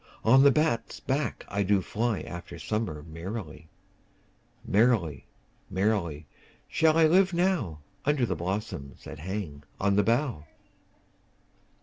On the bat's back I do fly After summer merrily: 5 Merrily, merrily, shall I live now, Under the blossom that hangs on the bough.